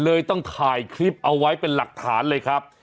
เลยต้องถ่ายคลิปเอาไว้เป็นหลักฐานเลยครับ